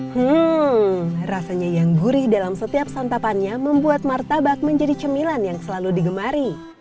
hmm rasanya yang gurih dalam setiap santapannya membuat martabak menjadi cemilan yang selalu digemari